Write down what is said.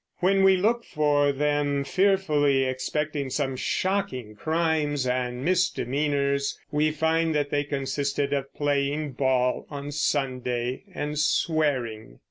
When we look for them fearfully, expecting some shocking crimes and misdemeanors, we find that they consisted of playing ball on Sunday and swearing.